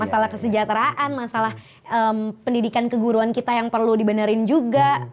masalah kesejahteraan masalah pendidikan keguruan kita yang perlu dibenerin juga